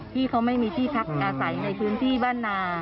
ที่เขาไม่มีที่พักอาศัยในพื้นที่บ้านนา